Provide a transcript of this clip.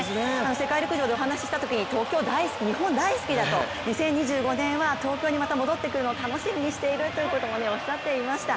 世界陸上でお話ししたときに東京大好き、日本大好きだと、２０２５年は東京にまた戻ってくるのを楽しみにしているということをおっしゃっていました。